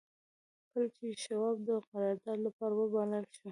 کله چې شواب د قرارداد لپاره وبلل شو.